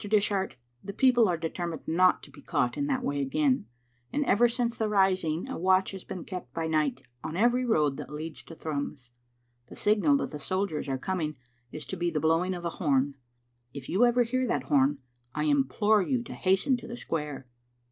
Dish art, the people are determined not to be caught in that way again, and ever since the rising a watch has been kept by night on every road that leads to Thrums. The signal that the soldiers are coming is to be the blowing of a horn. If you ever hear that horn, I implore you to hasten to the square."